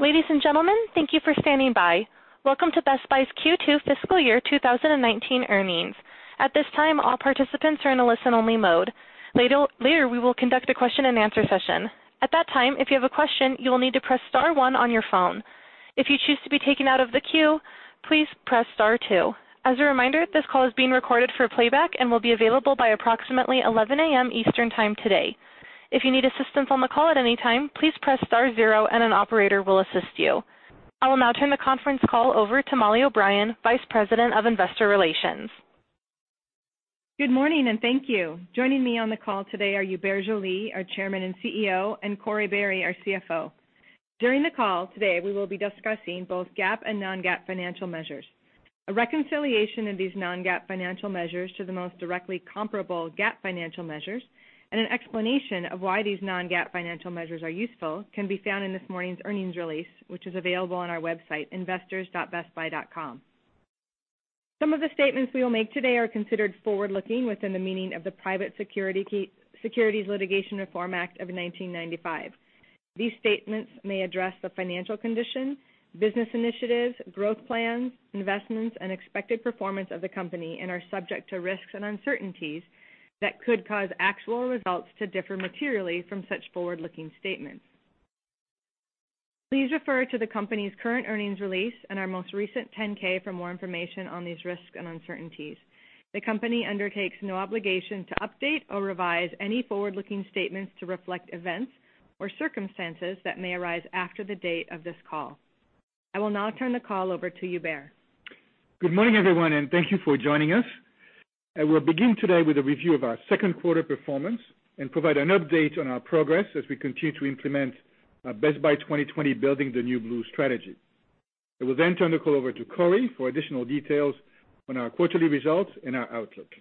Ladies and gentlemen, thank you for standing by. Welcome to Best Buy's Q2 fiscal year 2019 earnings. At this time, all participants are in a listen-only mode. Later, we will conduct a question and answer session. At that time, if you have a question, you will need to press star one on your phone. If you choose to be taken out of the queue, please press star two. As a reminder, this call is being recorded for playback and will be available by approximately 11:00 A.M. Eastern Time today. If you need assistance on the call at any time, please press star zero and an operator will assist you. I will now turn the conference call over to Mollie O'Brien, Vice President of Investor Relations. Good morning. Thank you. Joining me on the call today are Hubert Joly, our Chairman and CEO, and Corie Barry, our CFO. During the call today, we will be discussing both GAAP and non-GAAP financial measures. A reconciliation of these non-GAAP financial measures to the most directly comparable GAAP financial measures and an explanation of why these non-GAAP financial measures are useful can be found in this morning's earnings release, which is available on our website, investors.bestbuy.com. Some of the statements we will make today are considered forward-looking within the meaning of the Private Securities Litigation Reform Act of 1995. These statements may address the financial condition, business initiatives, growth plans, investments, and expected performance of the company and are subject to risks and uncertainties that could cause actual results to differ materially from such forward-looking statements. Please refer to the company's current earnings release and our most recent 10-K for more information on these risks and uncertainties. The company undertakes no obligation to update or revise any forward-looking statements to reflect events or circumstances that may arise after the date of this call. I will now turn the call over to Hubert. Good morning, everyone. Thank you for joining us. I will begin today with a review of our second quarter performance and provide an update on our progress as we continue to implement our Best Buy 2020: Building the New Blue strategy. I will then turn the call over to Corie for additional details on our quarterly results and our outlook.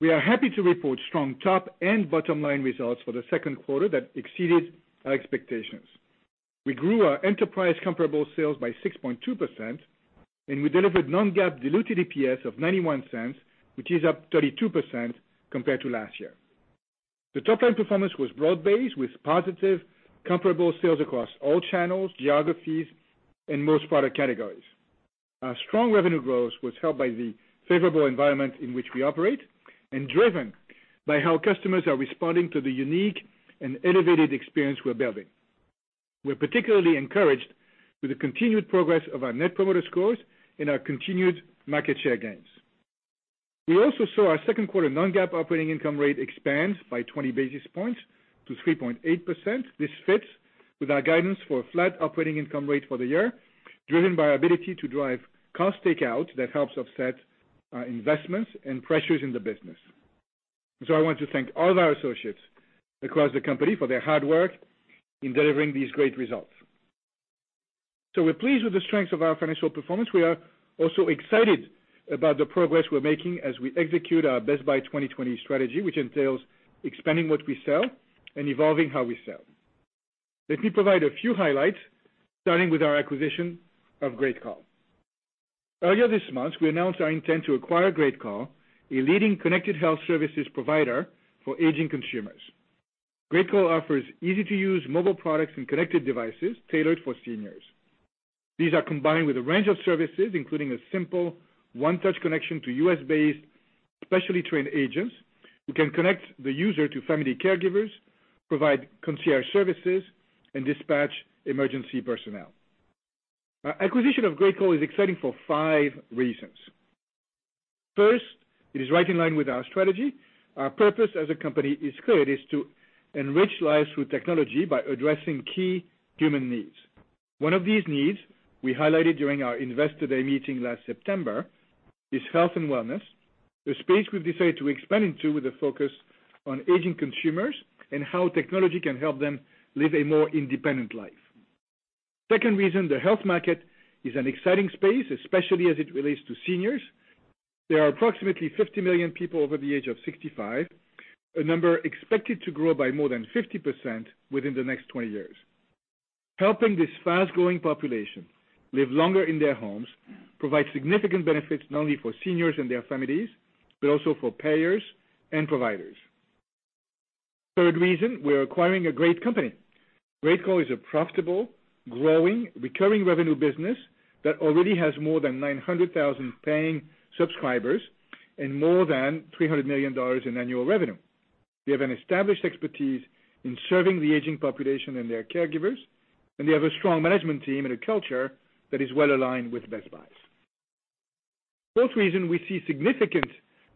We are happy to report strong top- and bottom-line results for the second quarter that exceeded our expectations. We grew our enterprise comparable sales by 6.2%, and we delivered non-GAAP diluted EPS of $0.91, which is up 32% compared to last year. The top-line performance was broad-based, with positive comparable sales across all channels, geographies, and most product categories. Our strong revenue growth was helped by the favorable environment in which we operate and driven by how customers are responding to the unique and elevated experience we're building. We're particularly encouraged with the continued progress of our net promoter scores and our continued market share gains. We also saw our second quarter non-GAAP operating income rate expand by 20 basis points to 3.8%. This fits with our guidance for a flat operating income rate for the year, driven by our ability to drive cost takeout that helps offset our investments and pressures in the business. I want to thank all of our associates across the company for their hard work in delivering these great results. We're pleased with the strength of our financial performance. We are also excited about the progress we're making as we execute our Best Buy 2020 strategy, which entails expanding what we sell and evolving how we sell. Let me provide a few highlights, starting with our acquisition of GreatCall. Earlier this month, we announced our intent to acquire GreatCall, a leading connected health services provider for aging consumers. GreatCall offers easy-to-use mobile products and connected devices tailored for seniors. These are combined with a range of services, including a simple one-touch connection to U.S.-based, specially trained agents who can connect the user to family caregivers, provide concierge services, and dispatch emergency personnel. Our acquisition of GreatCall is exciting for five reasons. First, it is right in line with our strategy. Our purpose as a company is clear. It is to enrich lives with technology by addressing key human needs. One of these needs we highlighted during our Investor Day meeting last September is health and wellness, a space we've decided to expand into with a focus on aging consumers and how technology can help them live a more independent life. Second reason, the health market is an exciting space, especially as it relates to seniors. There are approximately 50 million people over the age of 65, a number expected to grow by more than 50% within the next 20 years. Helping this fast-growing population live longer in their homes provides significant benefits not only for seniors and their families, but also for payers and providers. Third reason, we're acquiring a great company. GreatCall is a profitable, growing, recurring revenue business that already has more than 900,000 paying subscribers and more than $300 million in annual revenue. We have an established expertise in serving the aging population and their caregivers, and we have a strong management team and a culture that is well-aligned with Best Buy's. Fourth reason, we see significant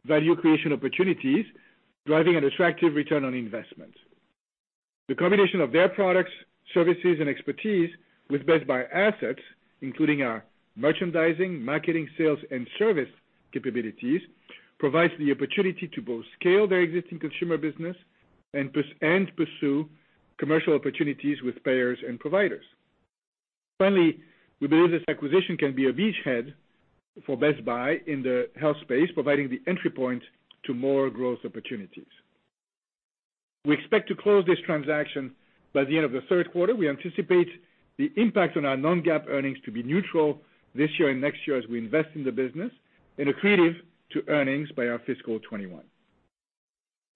value creation opportunities driving an attractive return on investment. The combination of their products, services, and expertise with Best Buy assets, including our merchandising, marketing, sales, and service capabilities, provides the opportunity to both scale their existing consumer business and pursue commercial opportunities with payers and providers. Finally, we believe this acquisition can be a beachhead for Best Buy in the health space, providing the entry point to more growth opportunities. We expect to close this transaction by the end of the third quarter. We anticipate the impact on our non-GAAP earnings to be neutral this year and next year as we invest in the business and accretive to earnings by our fiscal 2021.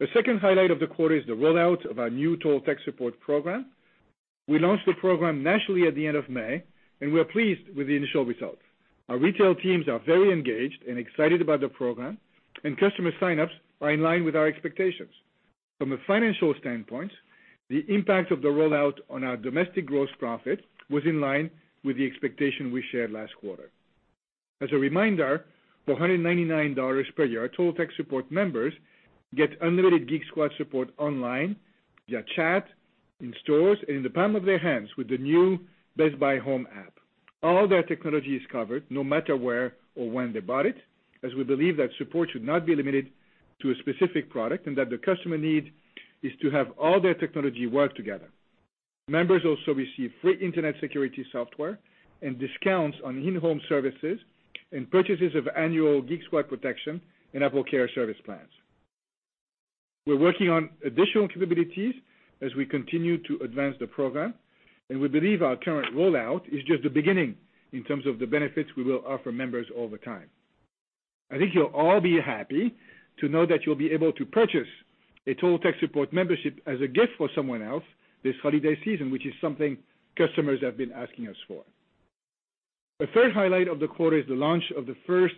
The second highlight of the quarter is the rollout of our new Total Tech Support program. We launched the program nationally at the end of May, and we are pleased with the initial results. Our retail teams are very engaged and excited about the program, customer sign-ups are in line with our expectations. From a financial standpoint, the impact of the rollout on our domestic gross profit was in line with the expectation we shared last quarter. As a reminder, for $199 per year, our Total Tech Support members get unlimited Geek Squad support online, via chat, in stores, and in the palm of their hands with the new Best Buy Home app. All their technology is covered no matter where or when they bought it, as we believe that support should not be limited to a specific product and that the customer need is to have all their technology work together. Members also receive free internet security software and discounts on in-home services and purchases of annual Geek Squad protection and AppleCare service plans. We're working on additional capabilities as we continue to advance the program, we believe our current rollout is just the beginning in terms of the benefits we will offer members over time. I think you'll all be happy to know that you'll be able to purchase a Total Tech Support membership as a gift for someone else this holiday season, which is something customers have been asking us for. The third highlight of the quarter is the launch of the first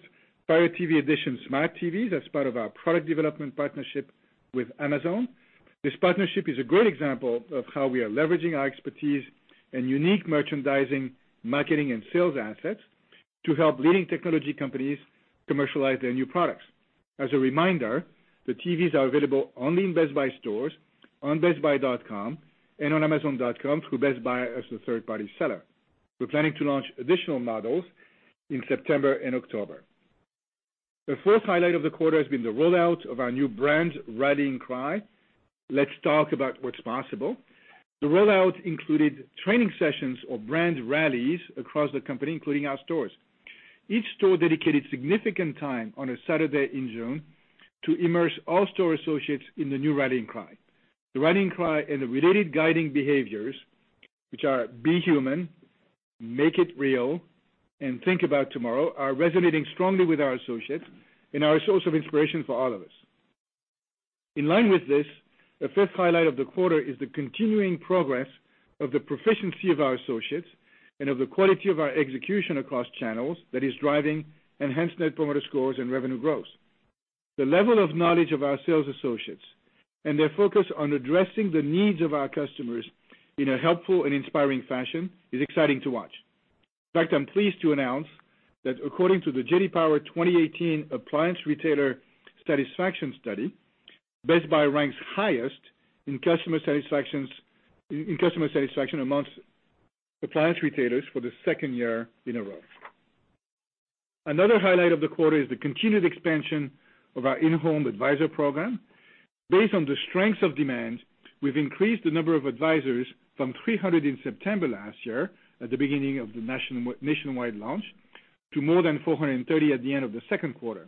Fire TV Edition smart TVs as part of our product development partnership with Amazon. This partnership is a great example of how we are leveraging our expertise in unique merchandising, marketing, and sales assets to help leading technology companies commercialize their new products. As a reminder, the TVs are available only in Best Buy stores, on bestbuy.com, and on amazon.com through Best Buy as the third-party seller. We're planning to launch additional models in September and October. The fourth highlight of the quarter has been the rollout of our new brand rallying cry, "Let's talk about what's possible." The rollout included training sessions or brand rallies across the company, including our stores. Each store dedicated significant time on a Saturday in June to immerse all store associates in the new rallying cry. The rallying cry and the related guiding behaviors, which are be human, make it real, and think about tomorrow, are resonating strongly with our associates and are a source of inspiration for all of us. In line with this, the fifth highlight of the quarter is the continuing progress of the proficiency of our associates and of the quality of our execution across channels that is driving enhanced net promoter scores and revenue growth. The level of knowledge of our sales associates and their focus on addressing the needs of our customers in a helpful and inspiring fashion is exciting to watch. In fact, I'm pleased to announce that according to the J.D. Power 2018 Appliance Retailer Satisfaction Study, Best Buy ranks highest in customer satisfaction amongst appliance retailers for the second year in a row. Another highlight of the quarter is the continued expansion of our In-Home Advisor program. Based on the strength of demand, we've increased the number of advisors from 300 in September last year, at the beginning of the nationwide launch, to more than 430 at the end of the second quarter.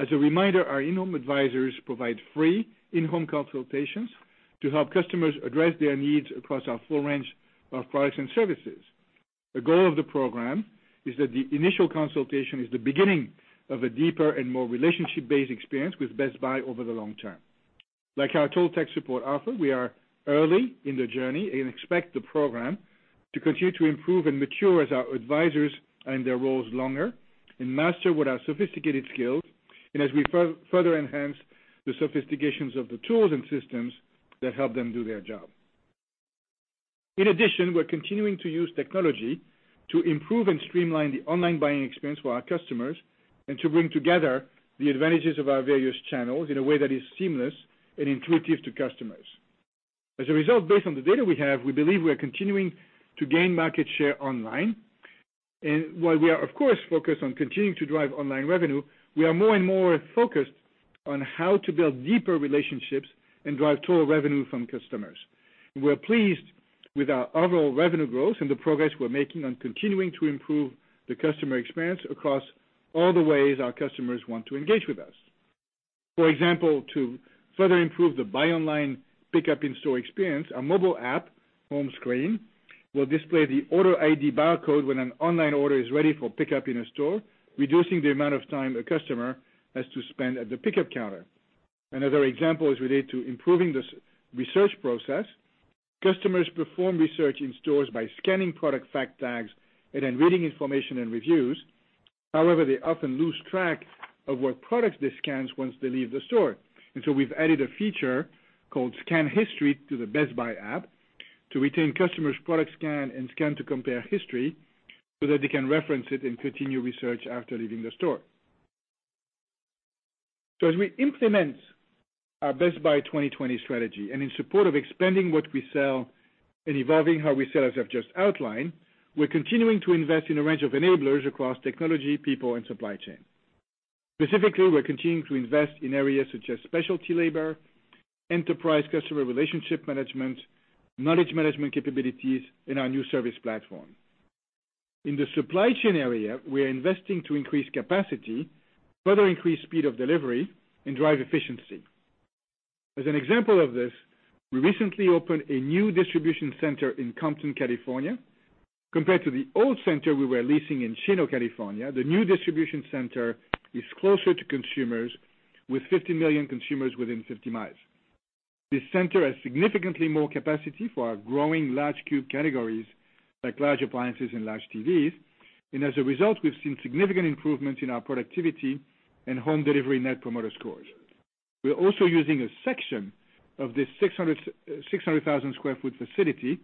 As a reminder, our In-Home Advisors provide free in-home consultations to help customers address their needs across our full range of products and services. The goal of the program is that the initial consultation is the beginning of a deeper and more relationship-based experience with Best Buy over the long term. Like our Total Tech Support offer, we are early in the journey and expect the program to continue to improve and mature as our advisors are in their roles longer and master with our sophisticated skills and as we further enhance the sophistication of the tools and systems that help them do their job. In addition, we're continuing to use technology to improve and streamline the online buying experience for our customers and to bring together the advantages of our various channels in a way that is seamless and intuitive to customers. As a result, based on the data we have, we believe we are continuing to gain market share online. While we are of course focused on continuing to drive online revenue, we are more and more focused on how to build deeper relationships and drive total revenue from customers. We're pleased with our overall revenue growth and the progress we're making on continuing to improve the customer experience across all the ways our customers want to engage with us. For example, to further improve the buy online, pickup in-store experience, our mobile app home screen will display the order ID barcode when an online order is ready for pickup in a store, reducing the amount of time a customer has to spend at the pickup counter. Another example is related to improving the research process. Customers perform research in stores by scanning product fact tags and then reading information and reviews. However, they often lose track of what products they scanned once they leave the store. We've added a feature called Scan History to the Best Buy app to retain customers' product scan and scan to compare history so that they can reference it and continue research after leaving the store. As we implement our Best Buy 2020 strategy and in support of expanding what we sell and evolving how we sell, as I've just outlined, we're continuing to invest in a range of enablers across technology, people, and supply chain. Specifically, we're continuing to invest in areas such as specialty labor, enterprise customer relationship management, knowledge management capabilities, and our new service platform. In the supply chain area, we are investing to increase capacity, further increase speed of delivery and drive efficiency. As an example of this, we recently opened a new distribution center in Compton, California. Compared to the old center we were leasing in Chino, California, the new distribution center is closer to consumers with 50 million consumers within 50 miles. This center has significantly more capacity for our growing large cube categories like large appliances and large TVs. As a result, we've seen significant improvements in our productivity and home delivery net promoter scores. We are also using a section of this 600,000 sq ft facility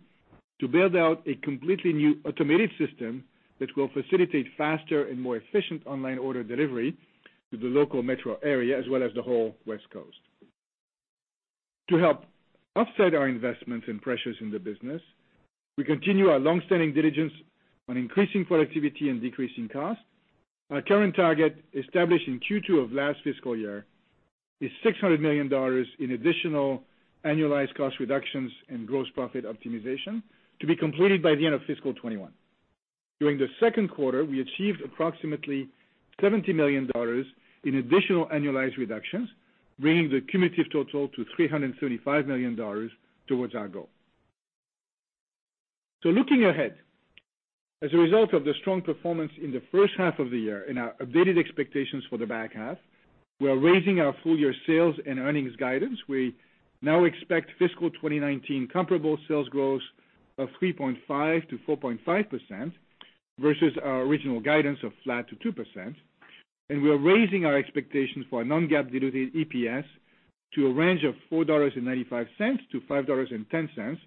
to build out a completely new automated system that will facilitate faster and more efficient online order delivery to the local metro area, as well as the whole West Coast. To help offset our investments and pressures in the business, we continue our long-standing diligence on increasing productivity and decreasing costs. Our current target, established in Q2 of last fiscal year, is $600 million in additional annualized cost reductions and gross profit optimization to be completed by the end of fiscal 2021. During the second quarter, we achieved approximately $70 million in additional annualized reductions, bringing the cumulative total to $335 million towards our goal. Looking ahead, as a result of the strong performance in the first half of the year and our updated expectations for the back half, we are raising our full year sales and earnings guidance. We now expect fiscal 2019 comparable sales growth of 3.5%-4.5%, versus our original guidance of flat to 2%. We are raising our expectations for our non-GAAP diluted EPS to a range of $4.95-$5.10,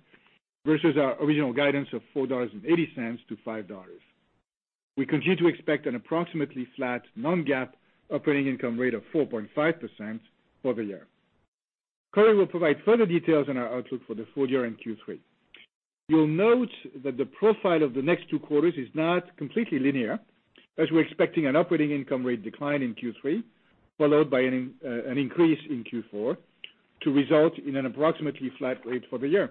versus our original guidance of $4.80-$5. We continue to expect an approximately flat non-GAAP operating income rate of 4.5% for the year. Corie will provide further details on our outlook for the full year-end Q3. You'll note that the profile of the next two quarters is not completely linear, as we're expecting an operating income rate decline in Q3, followed by an increase in Q4 to result in an approximately flat rate for the year.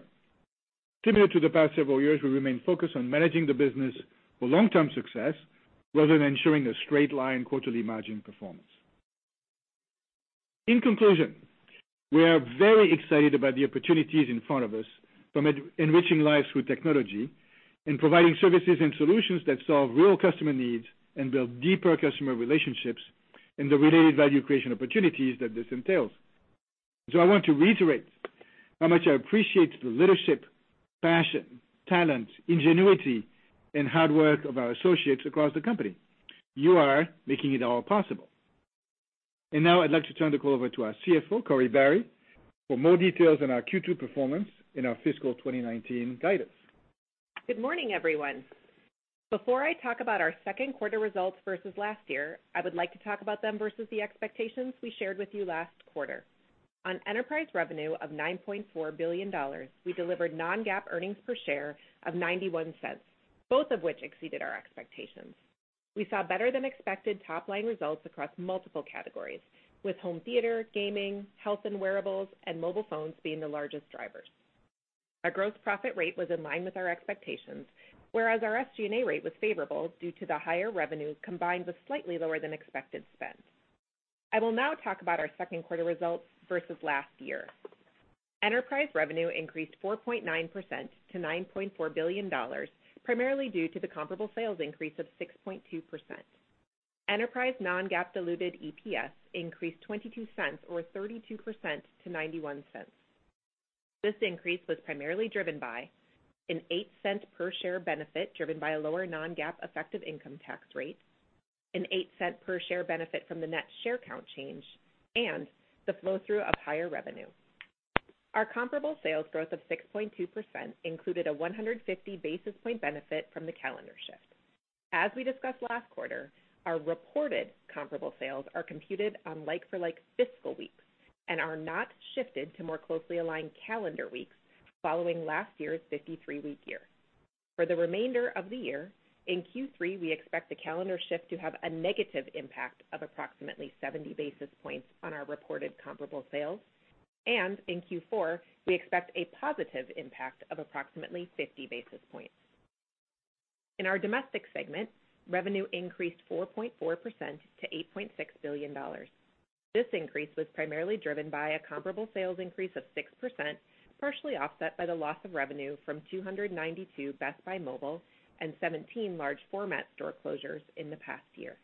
Similar to the past several years, we remain focused on managing the business for long-term success rather than ensuring a straight line quarterly margin performance. In conclusion, we are very excited about the opportunities in front of us from enriching lives with technology and providing services and solutions that solve real customer needs and build deeper customer relationships and the related value creation opportunities that this entails. I want to reiterate how much I appreciate the leadership, passion, talent, ingenuity, and hard work of our associates across the company. You are making it all possible. Now I'd like to turn the call over to our CFO, Corie Barry, for more details on our Q2 performance and our fiscal 2019 guidance. Good morning, everyone. Before I talk about our second quarter results versus last year, I would like to talk about them versus the expectations we shared with you last quarter. On enterprise revenue of $9.4 billion, we delivered non-GAAP earnings per share of $0.91, both of which exceeded our expectations. We saw better than expected top-line results across multiple categories, with home theater, gaming, health and wearables, and mobile phones being the largest drivers. Our gross profit rate was in line with our expectations, whereas our SG&A rate was favorable due to the higher revenue combined with slightly lower than expected spend. I will now talk about our second quarter results versus last year. Enterprise revenue increased 4.9% to $9.9 billion, primarily due to the comparable sales increase of 6.2%. Enterprise non-GAAP diluted EPS increased $0.22, or 32%, to $0.91. This increase was primarily driven by a $0.08 per share benefit driven by a lower non-GAAP effective income tax rate, a $0.08 per share benefit from the net share count change, and the flow-through of higher revenue. Our comparable sales growth of 6.2% included a 150 basis point benefit from the calendar shift. As we discussed last quarter, our reported comparable sales are computed on like-for-like fiscal weeks and are not shifted to more closely aligned calendar weeks following last year's 53-week year. For the remainder of the year, in Q3, we expect the calendar shift to have a negative impact of approximately 70 basis points on our reported comparable sales. In Q4, we expect a positive impact of approximately 50 basis points. In our Domestic segment, revenue increased 4.4% to $8.6 billion. This increase was primarily driven by a comparable sales increase of 6%, partially offset by the loss of revenue from 292 Best Buy Mobile and 17 large format store closures in the past year.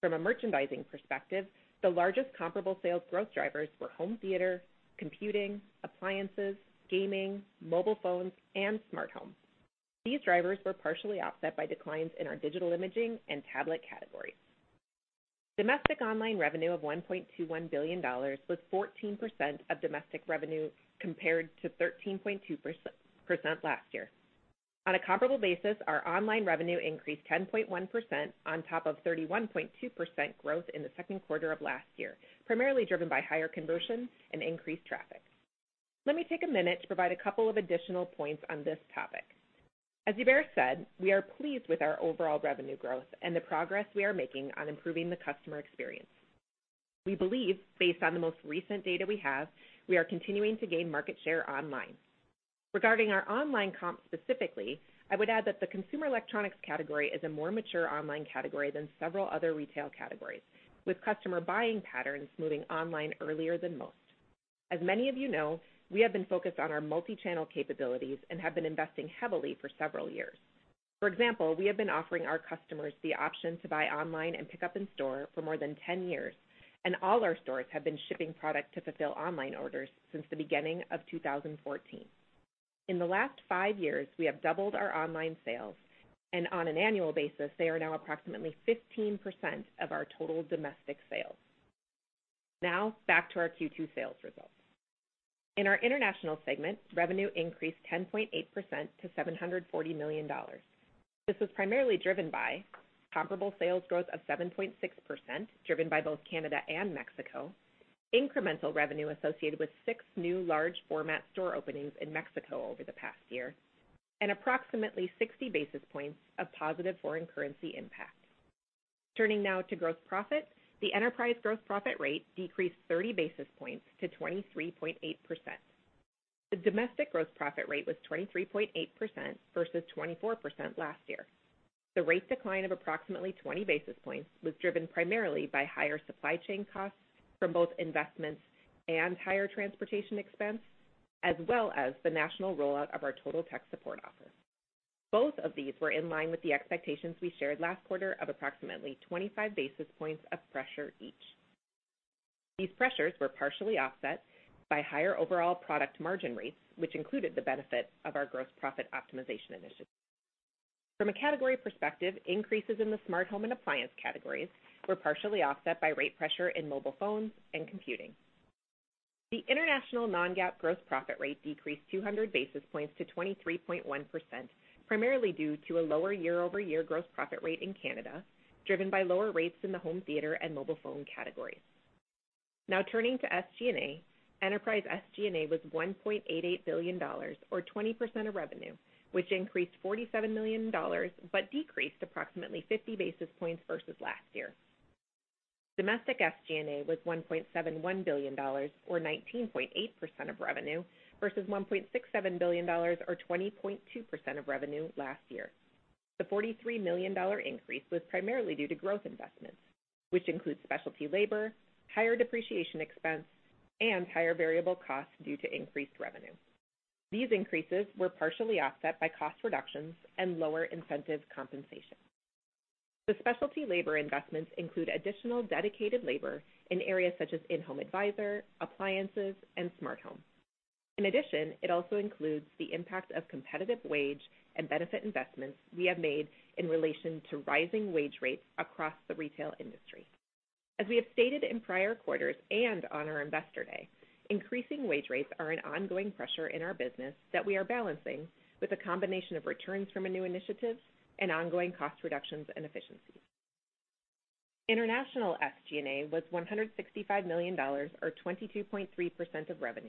From a merchandising perspective, the largest comparable sales growth drivers were home theater, computing, appliances, gaming, mobile phones and smart home. These drivers were partially offset by declines in our digital imaging and tablet categories. Domestic online revenue of $1.21 billion was 14% of domestic revenue, compared to 13.2% last year. On a comparable basis, our online revenue increased 10.1% on top of 31.2% growth in the second quarter of last year, primarily driven by higher conversions and increased traffic. Let me take a minute to provide a couple of additional points on this topic. As Hubert said, we are pleased with our overall revenue growth and the progress we are making on improving the customer experience. We believe, based on the most recent data we have, we are continuing to gain market share online. Regarding our online comp specifically, I would add that the consumer electronics category is a more mature online category than several other retail categories, with customer buying patterns moving online earlier than most. As many of you know, we have been focused on our multi-channel capabilities and have been investing heavily for several years. For example, we have been offering our customers the option to buy online and pick up in store for more than 10 years, and all our stores have been shipping product to fulfill online orders since the beginning of 2014. In the last five years, we have doubled our online sales, and on an annual basis, they are now approximately 15% of our total domestic sales. Now back to our Q2 sales results. In our International segment, revenue increased 10.8% to $740 million. This was primarily driven by comparable sales growth of 7.6%, driven by both Canada and Mexico, incremental revenue associated with six new large format store openings in Mexico over the past year, and approximately 60 basis points of positive foreign currency impact. Turning now to gross profit. The enterprise gross profit rate decreased 30 basis points to 23.8%. The Domestic gross profit rate was 23.8% versus 24% last year. The rate decline of approximately 20 basis points was driven primarily by higher supply chain costs from both investments and higher transportation expense, as well as the national rollout of our Total Tech Support offer. Both of these were in line with the expectations we shared last quarter of approximately 25 basis points of pressure each. These pressures were partially offset by higher overall product margin rates, which included the benefit of our gross profit optimization initiative. From a category perspective, increases in the smart home and appliance categories were partially offset by rate pressure in mobile phones and computing. The international non-GAAP gross profit rate decreased 200 basis points to 23.1%, primarily due to a lower year-over-year gross profit rate in Canada, driven by lower rates in the home theater and mobile phone categories. Turning to SG&A. Enterprise SG&A was $1.88 billion, or 20% of revenue, which increased $47 million but decreased approximately 50 basis points versus last year. Domestic SG&A was $1.71 billion or 19.8% of revenue versus $1.67 billion or 20.2% of revenue last year. The $43 million increase was primarily due to growth investments, which includes specialty labor, higher depreciation expense, and higher variable costs due to increased revenue. These increases were partially offset by cost reductions and lower incentive compensation. The specialty labor investments include additional dedicated labor in areas such as In-Home Advisor, appliances, and smart home. It also includes the impact of competitive wage and benefit investments we have made in relation to rising wage rates across the retail industry. As we have stated in prior quarters and on our investor day, increasing wage rates are an ongoing pressure in our business that we are balancing with a combination of returns from a new initiative and ongoing cost reductions and efficiencies. International SG&A was $165 million, or 22.3% of revenue,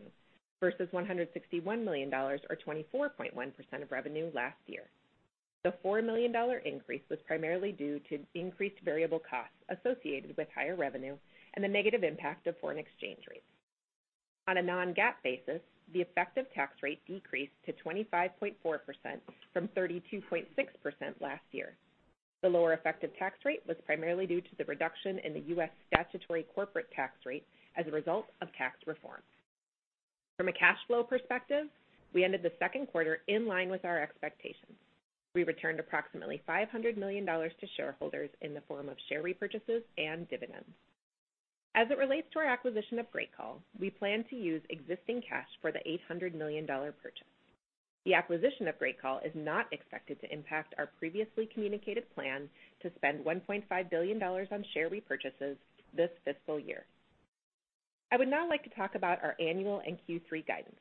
versus $161 million, or 24.1% of revenue last year. The $4 million increase was primarily due to increased variable costs associated with higher revenue and the negative impact of foreign exchange rates. On a non-GAAP basis, the effective tax rate decreased to 25.4% from 32.6% last year. The lower effective tax rate was primarily due to the reduction in the U.S. statutory corporate tax rate as a result of tax reform. From a cash flow perspective, we ended the second quarter in line with our expectations. We returned approximately $500 million to shareholders in the form of share repurchases and dividends. As it relates to our acquisition of GreatCall, we plan to use existing cash for the $800 million purchase. The acquisition of GreatCall is not expected to impact our previously communicated plan to spend $1.5 billion on share repurchases this fiscal year. I would now like to talk about our annual and Q3 guidance.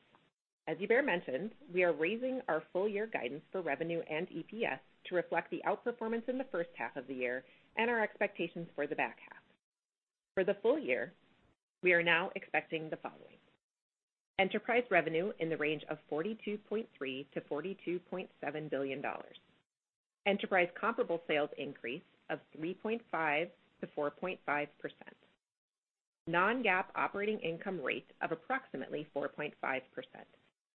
As Hubert mentioned, we are raising our full year guidance for revenue and EPS to reflect the outperformance in the first half of the year and our expectations for the back half. For the full year, we are now expecting the following. Enterprise revenue in the range of $42.3 billion-$42.7 billion. Enterprise comparable sales increase of 3.5%-4.5%. Non-GAAP operating income rate of approximately 4.5%,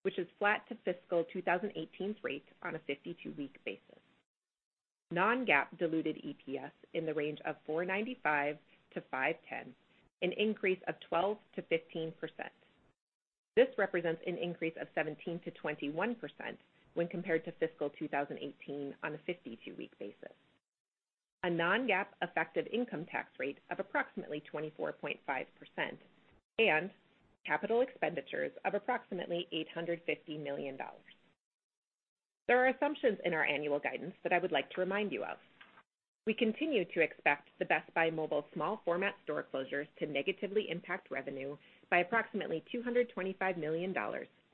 which is flat to fiscal 2018 rate on a 52-week basis. Non-GAAP diluted EPS in the range of $4.95-$5.10, an increase of 12%-15%. This represents an increase of 17%-21% when compared to fiscal 2018 on a 52-week basis. A non-GAAP effective income tax rate of approximately 24.5%, and capital expenditures of approximately $850 million. There are assumptions in our annual guidance that I would like to remind you of. We continue to expect the Best Buy Mobile small format store closures to negatively impact revenue by approximately $225 million,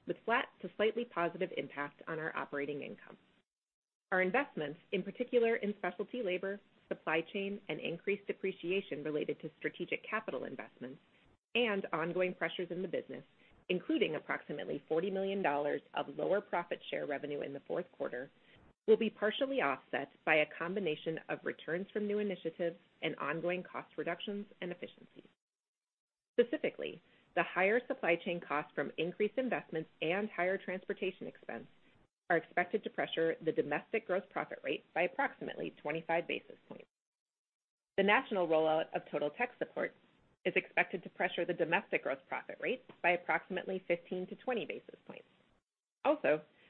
with flat to slightly positive impact on our operating income. Our investments, in particular in specialty labor, supply chain, and increased depreciation related to strategic capital investments. Ongoing pressures in the business, including approximately $40 million of lower profit share revenue in the fourth quarter, will be partially offset by a combination of returns from new initiatives and ongoing cost reductions and efficiencies. Specifically, the higher supply chain costs from increased investments and higher transportation expense are expected to pressure the domestic gross profit rate by approximately 25 basis points. The national rollout of Total Tech Support is expected to pressure the domestic gross profit rates by approximately 15 to 20 basis points.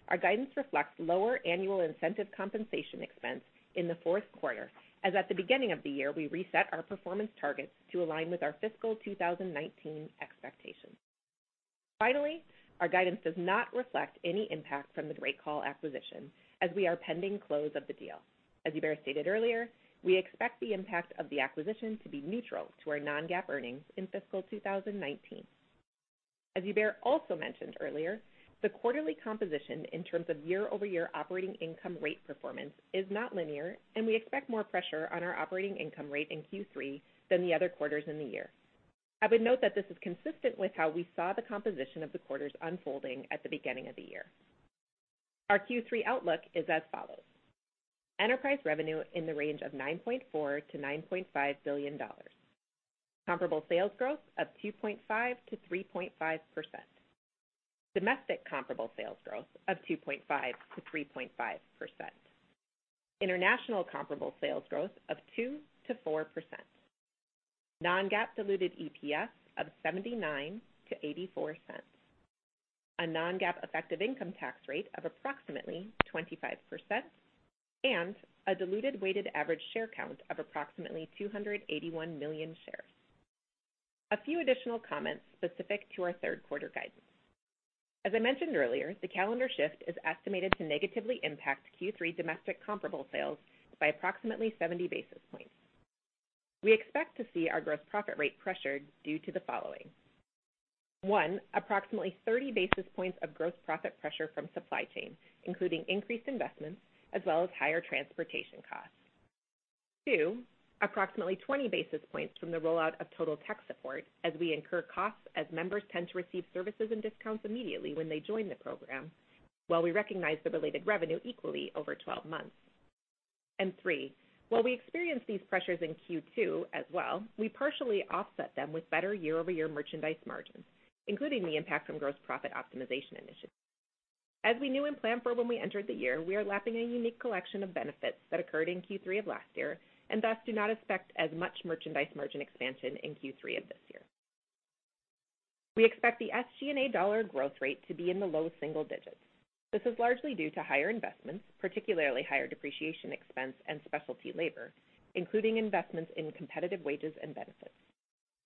Our guidance reflects lower annual incentive compensation expense in the fourth quarter, as at the beginning of the year, we reset our performance targets to align with our fiscal 2019 expectations. Finally, our guidance does not reflect any impact from the GreatCall acquisition, as we are pending close of the deal. As Hubert stated earlier, we expect the impact of the acquisition to be neutral to our non-GAAP earnings in fiscal 2019. As Hubert also mentioned earlier, the quarterly composition in terms of year-over-year operating income rate performance is not linear, and we expect more pressure on our operating income rate in Q3 than the other quarters in the year. I would note that this is consistent with how we saw the composition of the quarters unfolding at the beginning of the year. Our Q3 outlook is as follows. Enterprise revenue in the range of $9.4 billion-$9.5 billion. Comparable sales growth of 2.5%-3.5%. Domestic comparable sales growth of 2.5%-3.5%. International comparable sales growth of 2%-4%. Non-GAAP diluted EPS of $0.79-$0.84. A non-GAAP effective income tax rate of approximately 25%, and a diluted weighted average share count of approximately 281 million shares. A few additional comments specific to our third quarter guidance. As I mentioned earlier, the calendar shift is estimated to negatively impact Q3 domestic comparable sales by approximately 70 basis points. We expect to see our gross profit rate pressured due to the following. One, approximately 30 basis points of gross profit pressure from supply chain, including increased investments as well as higher transportation costs. Two, approximately 20 basis points from the rollout of Total Tech Support as we incur costs as members tend to receive services and discounts immediately when they join the program, while we recognize the related revenue equally over 12 months. Three, while we experience these pressures in Q2 as well, we partially offset them with better year-over-year merchandise margins, including the impact from gross profit optimization initiatives. As we knew and planned for when we entered the year, we are lapping a unique collection of benefits that occurred in Q3 of last year and thus do not expect as much merchandise margin expansion in Q3 of this year. We expect the SG&A dollar growth rate to be in the low single digits. This is largely due to higher investments, particularly higher depreciation expense and specialty labor, including investments in competitive wages and benefits.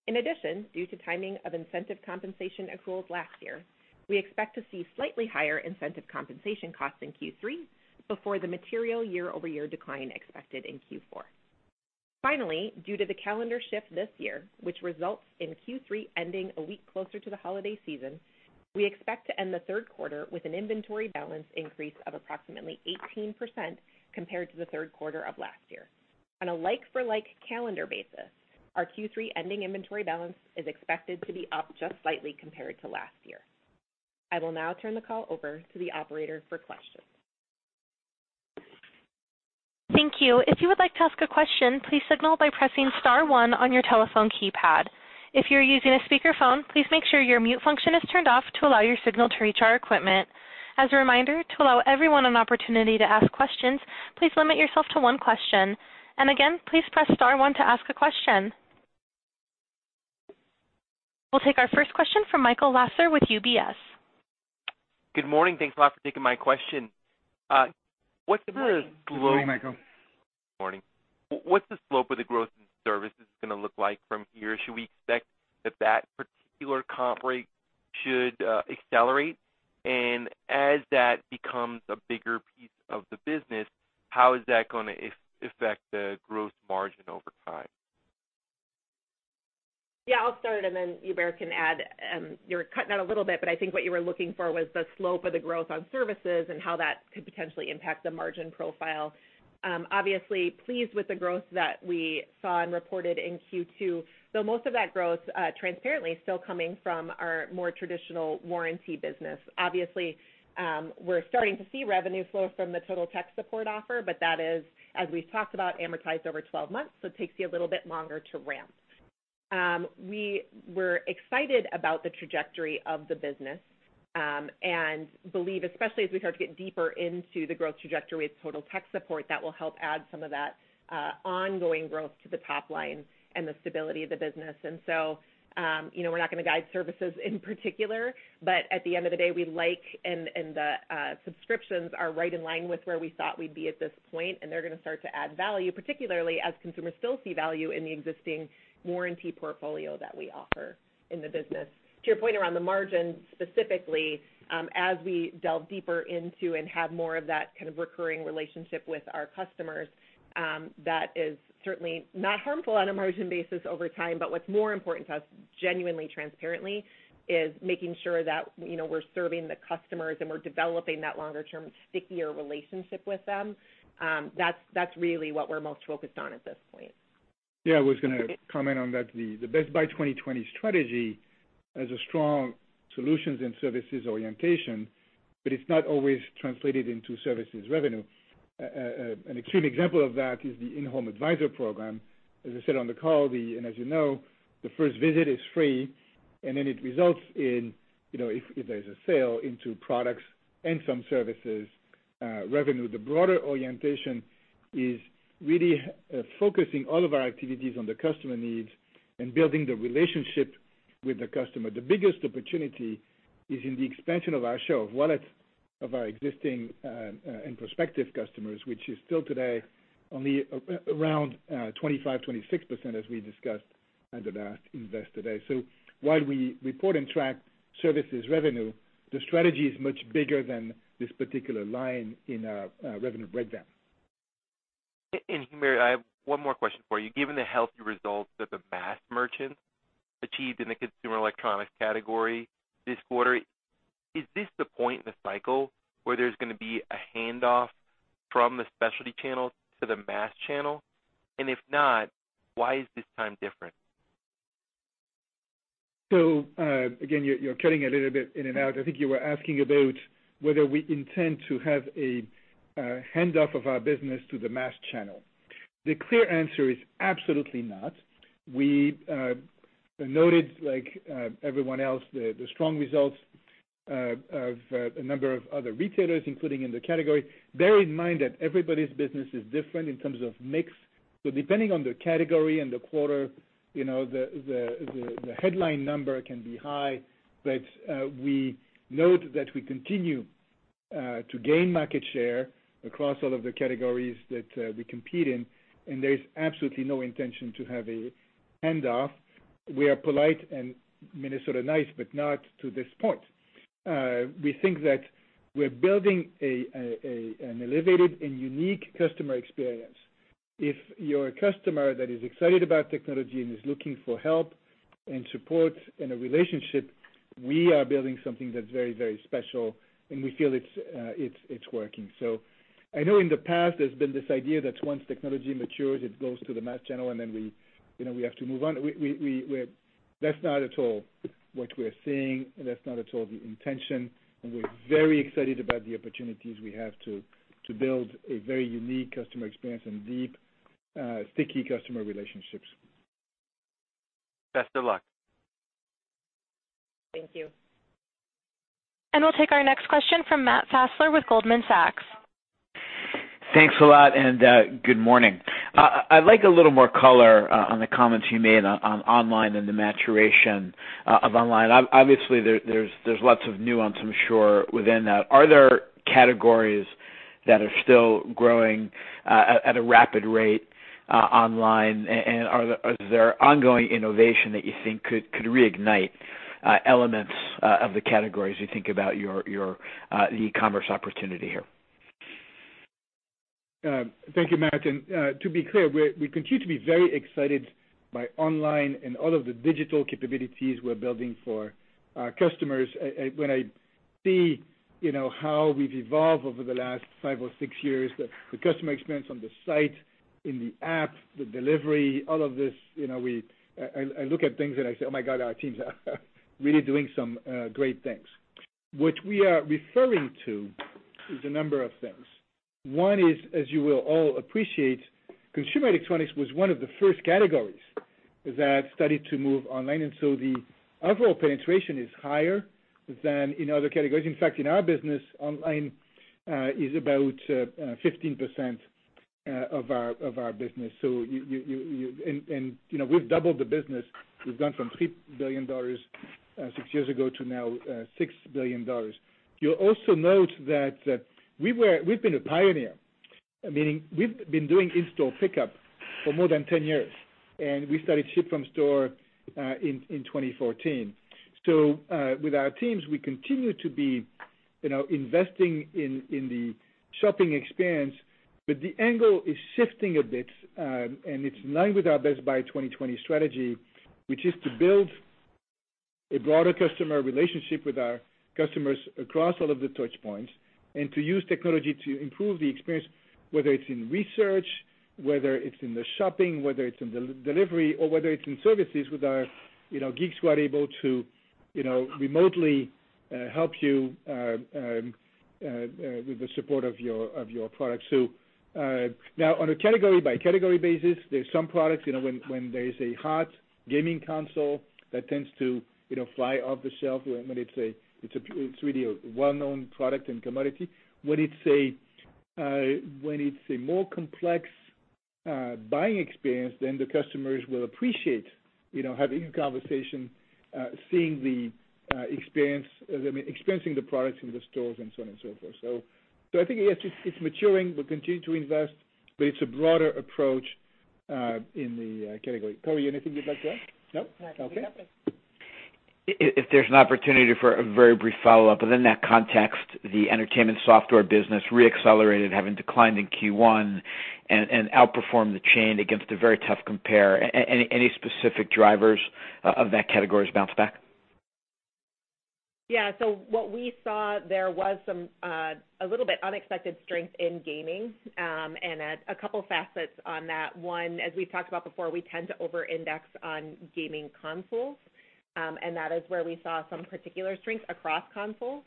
In addition, due to timing of incentive compensation accruals last year, we expect to see slightly higher incentive compensation costs in Q3 before the material year-over-year decline expected in Q4. Finally, due to the calendar shift this year, which results in Q3 ending a week closer to the holiday season, we expect to end the third quarter with an inventory balance increase of approximately 18% compared to the third quarter of last year. On a like-for-like calendar basis, our Q3 ending inventory balance is expected to be up just slightly compared to last year. I will now turn the call over to the operator for questions. Thank you. If you would like to ask a question, please signal by pressing star one on your telephone keypad. If you're using a speakerphone, please make sure your mute function is turned off to allow your signal to reach our equipment. As a reminder, to allow everyone an opportunity to ask questions, please limit yourself to one question. Again, please press star one to ask a question. We'll take our first question from Michael Lasser with UBS. Good morning. Thanks a lot for taking my question. Good morning. Morning. What's the slope of the growth in services going to look like from here? Should we expect that particular comp rate should accelerate? As that becomes a bigger piece of the business, how is that going to affect the gross margin over time? Yeah, I'll start and then Hubert can add. You were cutting out a little bit, I think what you were looking for was the slope of the growth on services and how that could potentially impact the margin profile. Obviously, pleased with the growth that we saw and reported in Q2, though most of that growth transparently is still coming from our more traditional warranty business. Obviously, we're starting to see revenue flow from the Total Tech Support offer, that is, as we've talked about, amortized over 12 months, so it takes you a little bit longer to ramp. We were excited about the trajectory of the business, believe, especially as we start to get deeper into the growth trajectory with Total Tech Support, that will help add some of that ongoing growth to the top line and the stability of the business. We're not going to guide services in particular, at the end of the day, we like the subscriptions are right in line with where we thought we'd be at this point, they're going to start to add value, particularly as consumers still see value in the existing warranty portfolio that we offer in the business. To your point around the margin specifically, as we delve deeper into and have more of that recurring relationship with our customers, that is certainly not harmful on a margin basis over time. What's more important to us, genuinely, transparently, is making sure that we're serving the customers and we're developing that longer-term, stickier relationship with them. That's really what we're most focused on at this point. Yeah, I was going to comment on that. The Best Buy 2020 strategy has a strong solutions and services orientation, it's not always translated into services revenue. An extreme example of that is the In-Home Advisor program. As I said on the call, as you know, the first visit is free, then it results in, if there's a sale, into products and some services revenue. The broader orientation is really focusing all of our activities on the customer needs and building the relationship with the customer. The biggest opportunity is in the expansion of our share of wallet of our existing, prospective customers, which is still today only around 25%-26%, as we discussed under the investor day. While we report and track services revenue, the strategy is much bigger than this particular line in our revenue breakdown. Hubert, I have one more question for you. Given the healthy results that the mass merchants achieved in the consumer electronics category this quarter, is this the point in the cycle where there's going to be a handoff from the specialty channel to the mass channel? If not, why is this time different? Again, you're cutting a little bit in and out. I think you were asking about whether we intend to have a handoff of our business to the mass channel. The clear answer is absolutely not. We noted, like everyone else, the strong results of a number of other retailers, including in the category. Bear in mind that everybody's business is different in terms of mix. Depending on the category and the quarter, the headline number can be high. We note that we continue to gain market share across all of the categories that we compete in, and there's absolutely no intention to have a handoff. We are polite and Minnesota nice, but not to this point. We think that we're building an elevated and unique customer experience. If you're a customer that is excited about technology and is looking for help and support in a relationship, we are building something that's very, very special, and we feel it's working. I know in the past, there's been this idea that once technology matures, it goes to the mass channel and then we have to move on. That's not at all what we're seeing, and that's not at all the intention, and we're very excited about the opportunities we have to build a very unique customer experience and deep, sticky customer relationships. Best of luck. Thank you. We'll take our next question from Matt Fassler with Goldman Sachs. Thanks a lot, and good morning. I'd like a little more color on the comments you made on online and the maturation of online. Obviously, there's lots of nuance, I'm sure, within that. Are there categories that are still growing at a rapid rate online, and are there ongoing innovation that you think could reignite elements of the categories you think about the e-commerce opportunity here? Thank you, Matt. To be clear, we continue to be very excited by online and all of the digital capabilities we're building for our customers. When I see how we've evolved over the last five or six years, the customer experience on the site, in the app, the delivery, all of this, I look at things and I say, "Oh, my God, our teams are really doing some great things." What we are referring to is a number of things. One is, as you will all appreciate, consumer electronics was one of the first categories that started to move online, so the overall penetration is higher than in other categories. In fact, in our business, online is about 15% of our business. We've doubled the business. We've gone from $3 billion six years ago to now $6 billion. You'll also note that we've been a pioneer, meaning we've been doing in-store pickup for more than 10 years, and we started ship from store in 2014. With our teams, we continue to be investing in the shopping experience, but the angle is shifting a bit, and it's in line with our Best Buy 2020 strategy, which is to build a broader customer relationship with our customers across all of the touch points and to use technology to improve the experience, whether it's in research, whether it's in the shopping, whether it's in delivery, or whether it's in services with our Geeks who are able to remotely help you with the support of your products. Now on a category by category basis, there's some products, when there's a hot gaming console that tends to fly off the shelf when it's really a well-known product and commodity. When it's a more complex buying experience, the customers will appreciate having a conversation, seeing the experience, I mean, experiencing the products in the stores and so on and so forth. I think, yes, it's maturing. We'll continue to invest, but it's a broader approach in the category. Corie, anything you'd like to add? No? Okay. No, I think you got this. If there's an opportunity for a very brief follow-up, in that context, the entertainment software business re-accelerated, having declined in Q1 and outperformed the chain against a very tough compare. Any specific drivers of that category's bounce back? What we saw, there was a little bit unexpected strength in gaming, and a couple facets on that. One, as we've talked about before, we tend to over-index on gaming consoles, and that is where we saw some particular strength across consoles.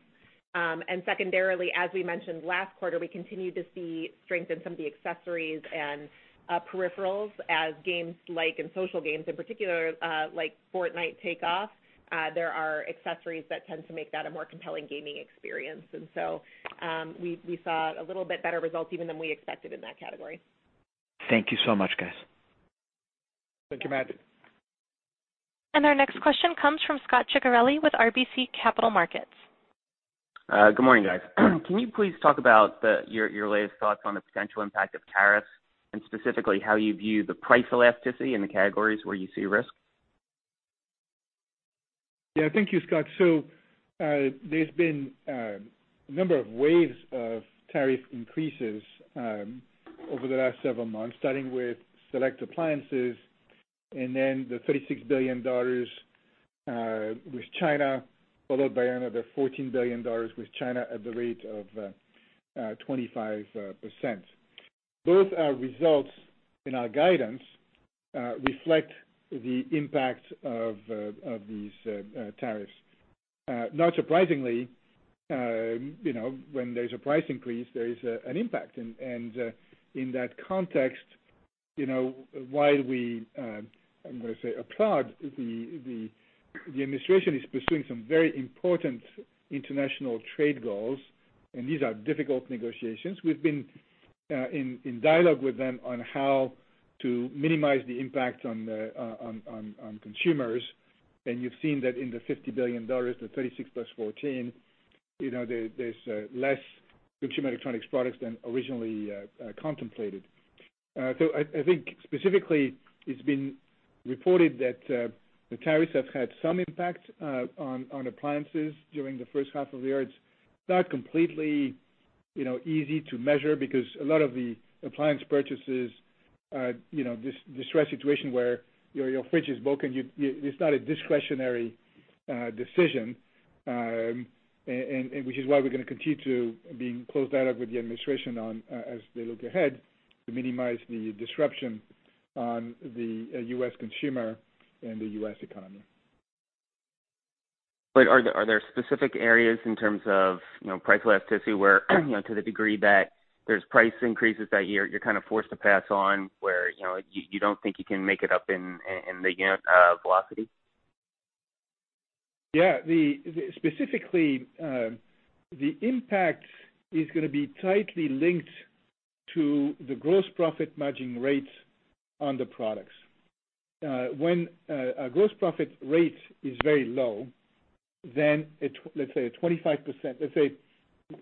Secondarily, as we mentioned last quarter, we continue to see strength in some of the accessories and peripherals as games like, and social games in particular, like Fortnite take off. There are accessories that tend to make that a more compelling gaming experience. We saw a little bit better results even than we expected in that category. Thank you so much, guys. Thank you, Matt. Our next question comes from Scot Ciccarelli with RBC Capital Markets. Good morning, guys. Can you please talk about your latest thoughts on the potential impact of tariffs, and specifically how you view the price elasticity and the categories where you see risk? Yeah, thank you, Scot. There's been a number of waves of tariff increases over the last several months, starting with select appliances and then the $36 billion with China, followed by another $14 billion with China at the rate of 25%. Both our results and our guidance reflect the impact of these tariffs. Not surprisingly, when there's a price increase, there is an impact. In that context, while we, I'm going to say, applaud the administration is pursuing some very important international trade goals, and these are difficult negotiations, we've been in dialogue with them on how to minimize the impact on consumers. You've seen that in the $50 billion, the 36 plus 14, there's less consumer electronics products than originally contemplated. I think specifically, it's been reported that the tariffs have had some impact on appliances during the first half of the year. It's not completely easy to measure because a lot of the appliance purchases, this stress situation where your fridge is broken, it's not a discretionary decision, which is why we're going to continue to be in close dialogue with the administration on, as they look ahead, to minimize the disruption on the U.S. consumer and the U.S. economy. Are there specific areas in terms of price elasticity where, to the degree that there's price increases that you're kind of forced to pass on where you don't think you can make it up in the unit velocity? Yeah. Specifically, the impact is going to be tightly linked to the gross profit margin rate on the products. When a gross profit rate is very low, let's say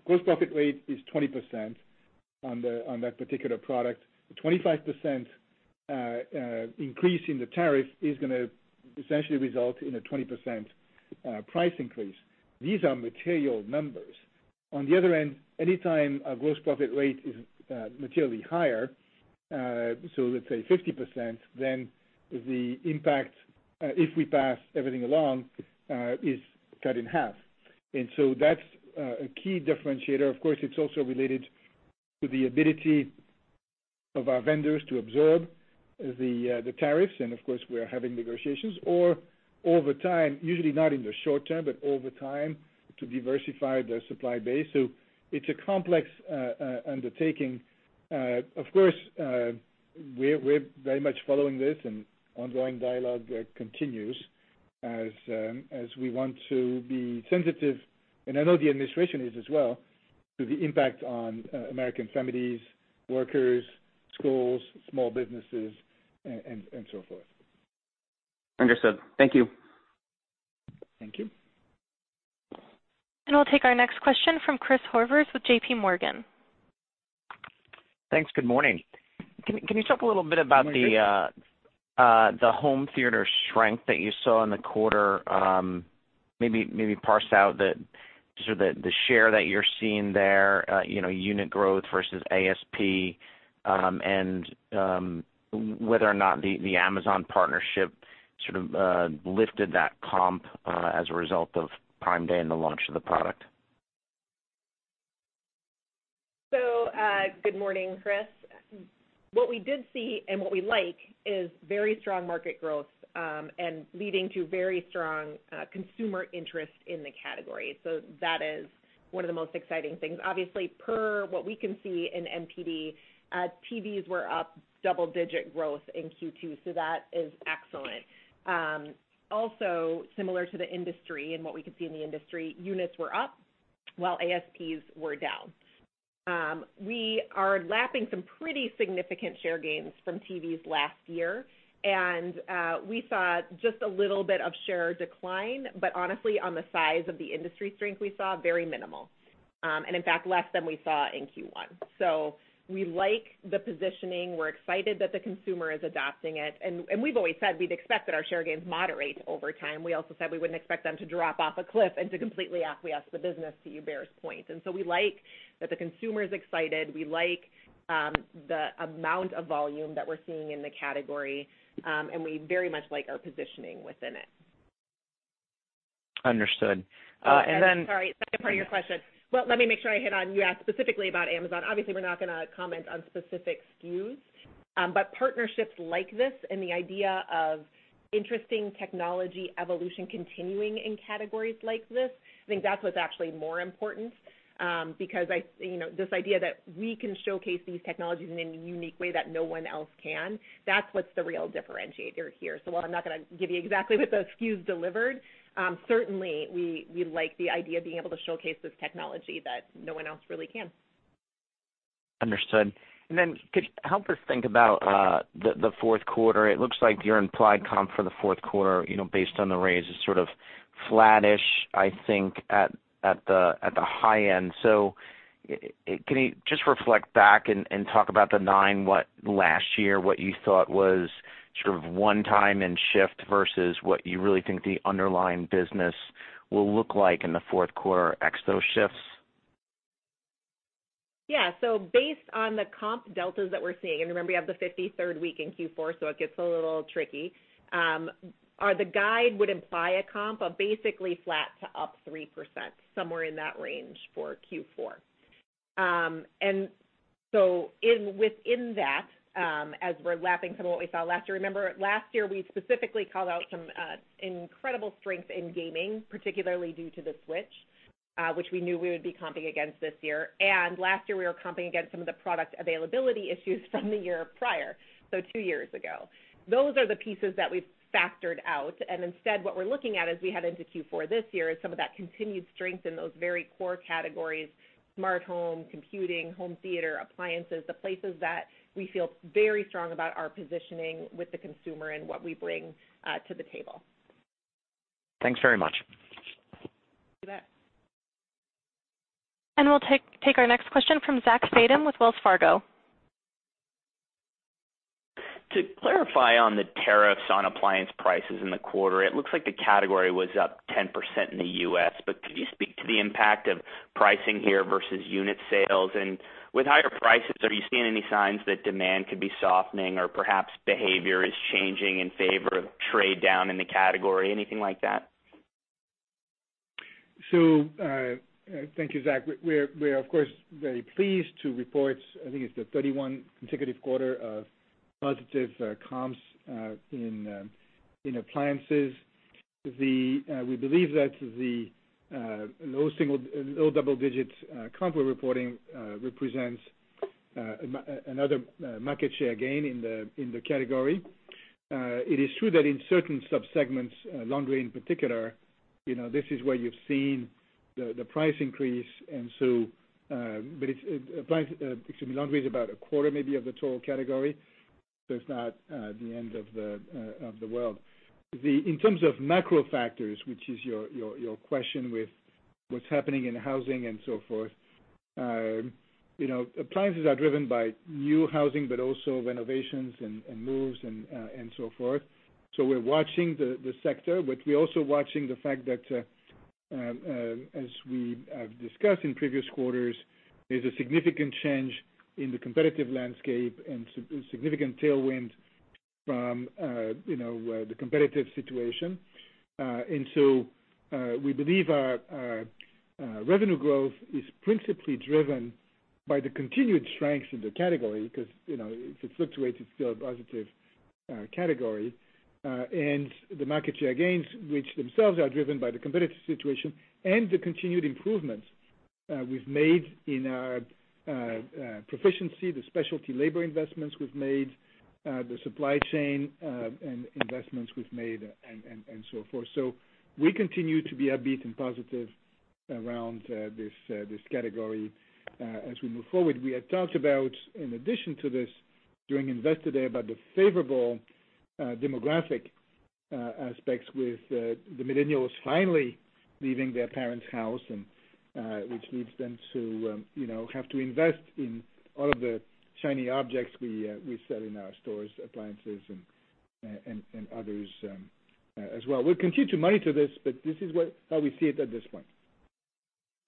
gross profit rate is 20% on that particular product, a 25% increase in the tariff is going to essentially result in a 20% price increase. These are material numbers. On the other end, anytime a gross profit rate is materially higher, so let's say 50%, then the impact, if we pass everything along, is cut in half. That's a key differentiator. Of course, it's also related to the ability of our vendors to absorb the tariffs. Of course, we are having negotiations or over time, usually not in the short term, but over time to diversify their supply base. It's a complex undertaking. Of course, we're very much following this and ongoing dialogue continues as we want to be sensitive, and I know the administration is as well, to the impact on American families, workers, schools, small businesses and so forth. Understood. Thank you. Thank you. We'll take our next question from Christopher Horvers with J.P. Morgan. Thanks. Good morning. Good morning, Chris. Can you talk a little bit about the home theater strength that you saw in the quarter? Maybe parse out the sort of the share that you're seeing there, unit growth versus ASP, and whether or not the Amazon partnership sort of lifted that comp as a result of Prime Day and the launch of the product. Good morning, Chris. What we did see and what we like is very strong market growth and leading to very strong consumer interest in the category. That is one of the most exciting things. Obviously, per what we can see in NPD, TVs were up double-digit growth in Q2, that is excellent. Also similar to the industry and what we could see in the industry, units were up while ASPs were down. We are lapping some pretty significant share gains from TVs last year, and we saw just a little bit of share decline, but honestly on the size of the industry strength we saw, very minimal. In fact, less than we saw in Q1. We like the positioning. We're excited that the consumer is adopting it and we've always said we'd expect that our share gains moderate over time. We also said we wouldn't expect them to drop off a cliff and to completely acquiesce the business to Hubert's point. We like that the consumer's excited. We like the amount of volume that we're seeing in the category, and we very much like our positioning within it. Understood. Sorry, second part of your question. Let me make sure I hit on, you asked specifically about Amazon. Obviously, we're not going to comment on specific SKUs. Partnerships like this and the idea of interesting technology evolution continuing in categories like this, I think that's what's actually more important. This idea that we can showcase these technologies in a unique way that no one else can, that's what's the real differentiator here. While I'm not going to give you exactly what those SKUs delivered, certainly, we like the idea of being able to showcase this technology that no one else really can. Understood. Could you help us think about the fourth quarter? It looks like your implied comp for the fourth quarter, based on the raise, is sort of flattish, I think, at the high end. Can you just reflect back and talk about the nine, last year, what you thought was sort of one time and shift versus what you really think the underlying business will look like in the fourth quarter ex those shifts? Based on the comp deltas that we're seeing, remember, you have the 53rd week in Q4, so it gets a little tricky. The guide would imply a comp of basically flat to up 3%, somewhere in that range for Q4. Within that, as we're lapping some of what we saw last year, remember last year we specifically called out some incredible strength in gaming, particularly due to the Switch, which we knew we would be comping against this year. Last year, we were comping against some of the product availability issues from the year prior, so two years ago. Those are the pieces that we've factored out. Instead, what we're looking at as we head into Q4 this year is some of that continued strength in those very core categories, smart home, computing, home theater, appliances, the places that we feel very strong about our positioning with the consumer and what we bring to the table. Thanks very much. You bet. We'll take our next question from Zachary Fadem with Wells Fargo. To clarify on the tariffs on appliance prices in the quarter, it looks like the category was up 10% in the U.S., could you speak to the impact of pricing here versus unit sales? With higher prices, are you seeing any signs that demand could be softening or perhaps behavior is changing in favor of trade down in the category, anything like that? Thank you, Zach. We're of course, very pleased to report, I think it's the 31 consecutive quarter of positive comps in appliances. We believe that the low double-digit comp we're reporting represents another market share gain in the category. It is true that in certain sub-segments, laundry in particular, this is where you've seen the price increase. Excuse me, laundry is about a quarter maybe of the total category, it's not the end of the world. In terms of macro factors, which is your question with what's happening in housing and so forth. Appliances are driven by new housing, also renovations and moves and so forth. We're watching the sector, we're also watching the fact that, as we have discussed in previous quarters, there's a significant change in the competitive landscape and significant tailwind from the competitive situation. We believe our revenue growth is principally driven by the continued strength in the category because if it fluctuates, it's still a positive category. The market share gains, which themselves are driven by the competitive situation and the continued improvements we've made in our proficiency, the specialty labor investments we've made, the supply chain and investments we've made, and so forth. We continue to be upbeat and positive around this category. As we move forward, we had talked about, in addition to this, during Investor Day, about the favorable demographic aspects with the millennials finally leaving their parents' house, and which leads them to have to invest in all of the shiny objects we sell in our stores, appliances, and others as well. We'll continue to monitor this, but this is how we see it at this point.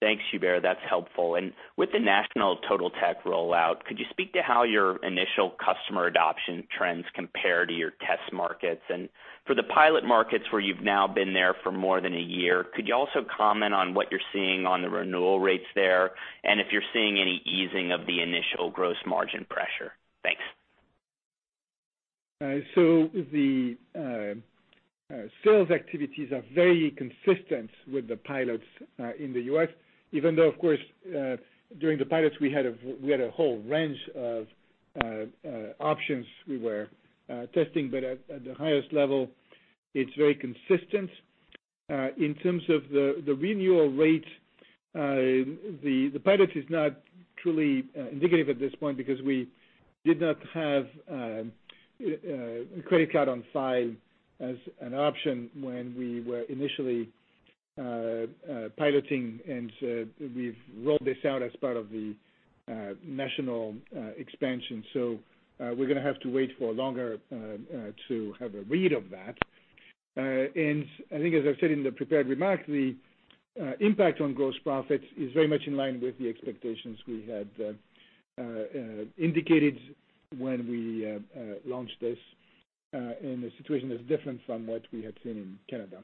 Thanks, Hubert. That's helpful. With the national Total Tech rollout, could you speak to how your initial customer adoption trends compare to your test markets? For the pilot markets where you've now been there for more than a year, could you also comment on what you're seeing on the renewal rates there? If you're seeing any easing of the initial gross margin pressure. Thanks. The sales activities are very consistent with the pilots in the U.S., even though, of course, during the pilots, we had a whole range of options we were testing. At the highest level, it's very consistent. In terms of the renewal rate, the pilot is not truly indicative at this point because we did not have a credit card on file as an option when we were initially piloting, and we've rolled this out as part of the national expansion. We're going to have to wait for longer to have a read of that. I think as I've said in the prepared remarks, the impact on gross profit is very much in line with the expectations we had indicated when we launched this, and the situation is different from what we had seen in Canada.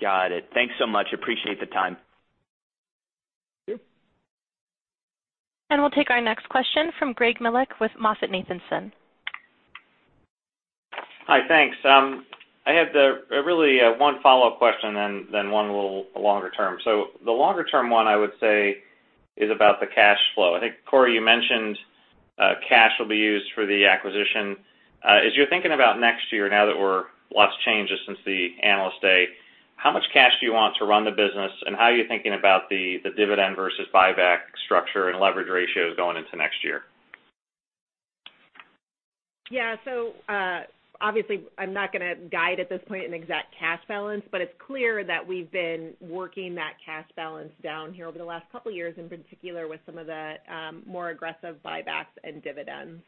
Got it. Thanks so much. Appreciate the time. Sure. We'll take our next question from Greg Melich with MoffettNathanson. Hi, thanks. I had really one follow-up question, then one a little longer term. The longer term one, I would say, is about the cash flow. I think, Corie, you mentioned cash will be used for the acquisition. As you're thinking about next year now that we're, lots changed since the Analyst Day, how much cash do you want to run the business, and how are you thinking about the dividend versus buyback structure and leverage ratios going into next year? Yeah. Obviously, I'm not going to guide at this point an exact cash balance, but it's clear that we've been working that cash balance down here over the last couple of years, in particular with some of the more aggressive buybacks and dividends.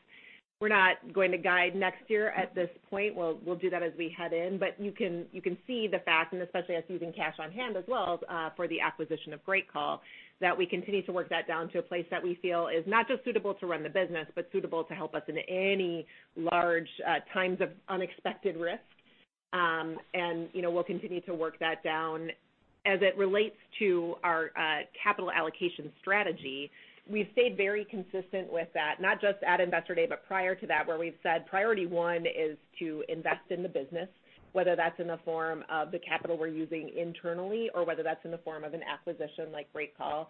We're not going to guide next year at this point. We'll do that as we head in. You can see the fact, and especially as using cash on hand as well for the acquisition of GreatCall, that we continue to work that down to a place that we feel is not just suitable to run the business, but suitable to help us in any large times of unexpected risk. We'll continue to work that down. As it relates to our capital allocation strategy, we've stayed very consistent with that, not just at Investor Day, but prior to that, where we've said priority one is to invest in the business, whether that's in the form of the capital we're using internally or whether that's in the form of an acquisition like GreatCall.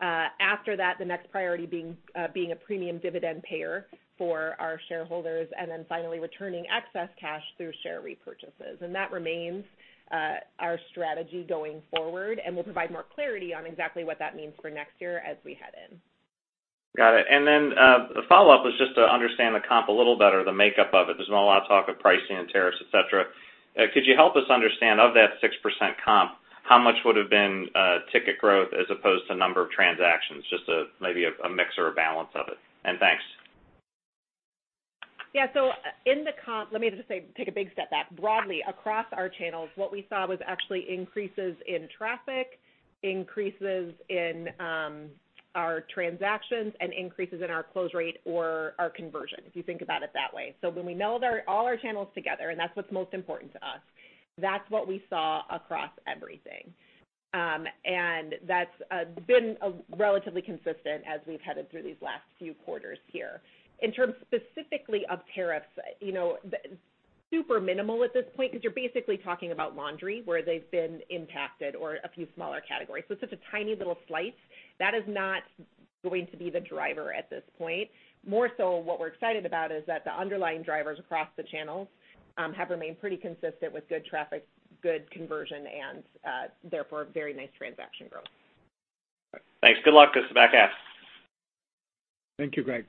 After that, the next priority being a premium dividend payer for our shareholders, then finally returning excess cash through share repurchases. That remains our strategy going forward, and we'll provide more clarity on exactly what that means for next year as we head in. Got it. The follow-up was just to understand the comp a little better, the makeup of it. There's been a lot of talk of pricing and tariffs, et cetera. Could you help us understand, of that 6% comp, how much would have been ticket growth as opposed to number of transactions, just maybe a mix or a balance of it? Thanks. Yeah. Let me just take a big step back. Broadly, across our channels, what we saw was actually increases in traffic, increases in our transactions, and increases in our close rate or our conversion, if you think about it that way. When we meld all our channels together, and that's what's most important to us, that's what we saw across everything. That's been relatively consistent as we've headed through these last few quarters here. In terms specifically of tariffs, super minimal at this point, because you're basically talking about laundry, where they've been impacted or a few smaller categories. It's such a tiny little slice. That is not going to be the driver at this point. More so what we're excited about is that the underlying drivers across the channels have remained pretty consistent with good traffic, good conversion, and therefore, very nice transaction growth. Thanks. Good luck with the back half. Thank you, Greg.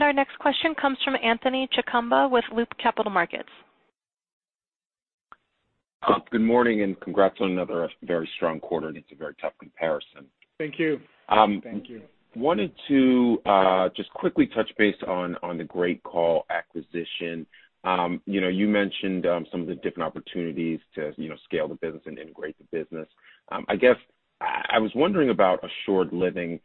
Our next question comes from Anthony Chukumba with Loop Capital Markets. Good morning, congrats on another very strong quarter, and it's a very tough comparison. Thank you. Thank you. Wanted to just quickly touch base on the Great Call acquisition. You mentioned some of the different opportunities to scale the business and integrate the business. I guess, I was wondering about Assured Living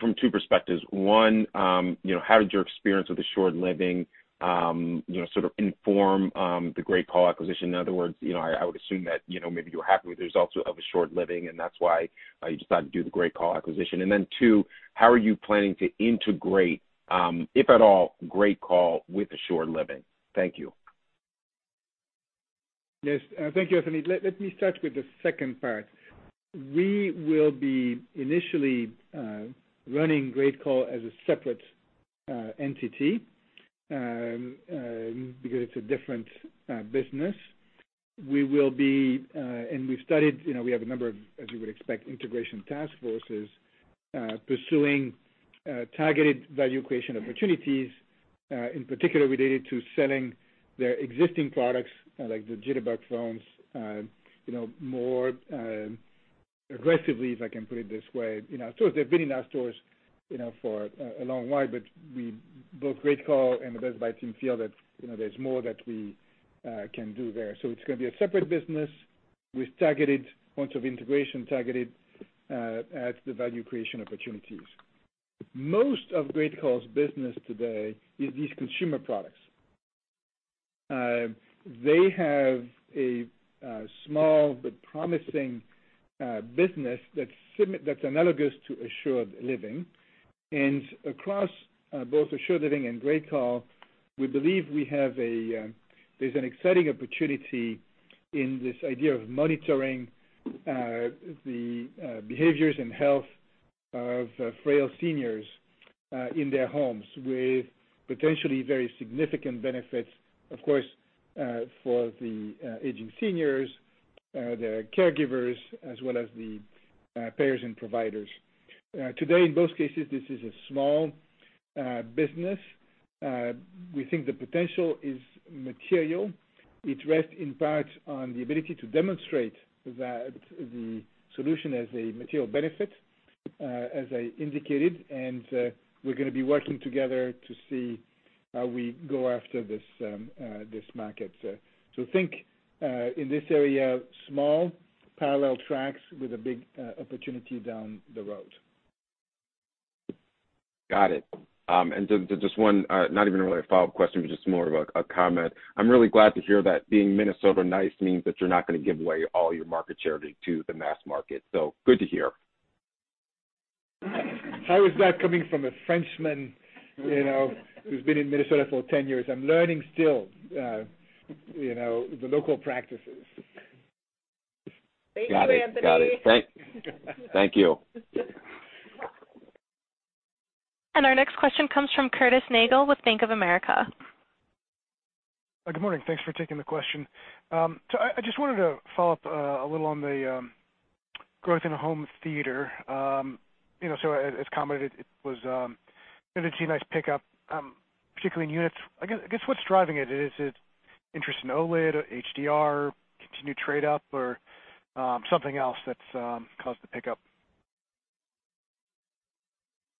from two perspectives. One, how did your experience with Assured Living sort of inform the Great Call acquisition? In other words, I would assume that maybe you were happy with the results of Assured Living, and that's why you decided to do the Great Call acquisition. Two, how are you planning to integrate, if at all, Great Call with Assured Living? Thank you. Yes. Thank you, Anthony. Let me start with the second part. We will be initially running Great Call as a separate entity because it's a different business. We have a number of, as you would expect, integration task forces pursuing targeted value creation opportunities, in particular related to selling their existing products, like the Jitterbug phones more aggressively, if I can put it this way. They've been in our stores for a long while, but both Great Call and the Best Buy team feel that there's more that we can do there. It's going to be a separate business with targeted points of integration, targeted at the value creation opportunities. Most of Great Call's business today is these consumer products. They have a small but promising business that's analogous to Assured Living. Across both Assured Living and Great Call, we believe there's an exciting opportunity in this idea of monitoring the behaviors and health of frail seniors in their homes with potentially very significant benefits, of course for the aging seniors, their caregivers, as well as the payers and providers. Today, in both cases, this is a small business. We think the potential is material. It rests in part on the ability to demonstrate that the solution has a material benefit As I indicated, we're going to be working together to see how we go after this market. Think in this area, small parallel tracks with a big opportunity down the road. Got it. Just one, not even really a follow-up question, but just more of a comment. I'm really glad to hear that being Minnesota nice means that you're not going to give away all your market charity to the mass market. Good to hear. How is that coming from a Frenchman who's been in Minnesota for 10 years? I'm learning still the local practices. Thank you, Anthony. Got it. Thank you. Our next question comes from Curtis Nagle with Bank of America. Good morning. Thanks for taking the question. I just wanted to follow up a little on the growth in home theater. As commented, it was going to see nice pickup, particularly in units. I guess what's driving it? Is it interest in OLED or HDR, continued trade-up, or something else that's caused the pickup?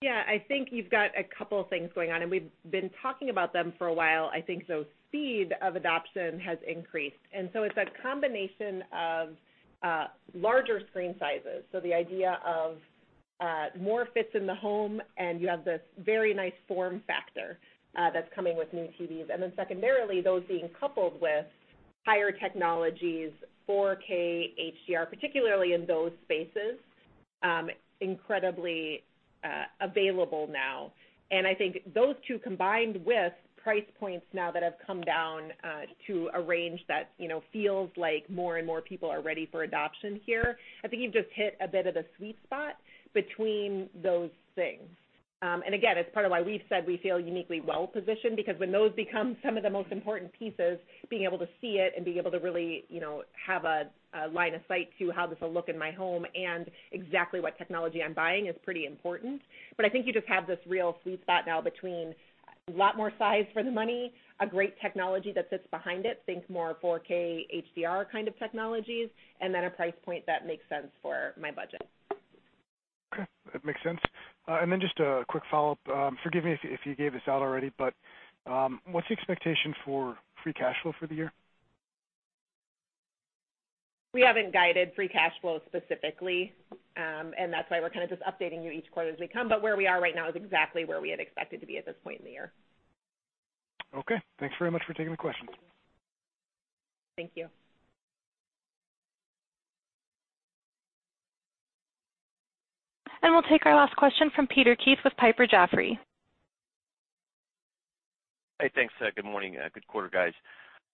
Yeah, I think you've got a couple of things going on. We've been talking about them for a while, I think. Speed of adoption has increased. It's a combination of larger screen sizes. The idea of more fits in the home, and you have this very nice form factor that's coming with new TVs. Secondarily, those being coupled with higher technologies, 4K, HDR, particularly in those spaces, incredibly available now. I think those two, combined with price points now that have come down to a range that feels like more and more people are ready for adoption here. I think you've just hit a bit of the sweet spot between those things. Again, it's part of why we've said we feel uniquely well-positioned, because when those become some of the most important pieces, being able to see it and being able to really have a line of sight to how this will look in my home and exactly what technology I'm buying is pretty important. I think you just have this real sweet spot now between a lot more size for the money, a great technology that sits behind it, think more 4K HDR kind of technologies, and then a price point that makes sense for my budget. Okay. That makes sense. Just a quick follow-up. Forgive me if you gave this out already, what's the expectation for free cash flow for the year? We haven't guided free cash flow specifically, that's why we're kind of just updating you each quarter as we come. Where we are right now is exactly where we had expected to be at this point in the year. Okay. Thanks very much for taking the question. Thank you. We'll take our last question from Peter Keith with Piper Jaffray. Hey, thanks. Good morning. Good quarter, guys.